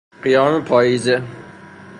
قیام پائیزه